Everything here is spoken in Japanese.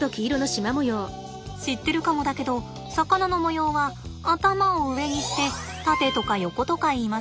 知ってるかもだけど魚の模様は頭を上にして縦とか横とかいいます。